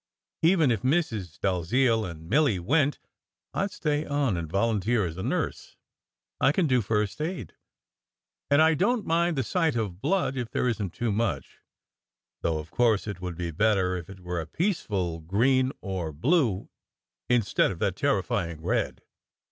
Even if Mrs. Dalziel and Milly went, I d stay on and volunteer as a nurse. I can do first aid, and I don t mind the sight of blood if there isn t too much; though, of course, it would be better if it were a peaceful green or blue instead of that terrifying red."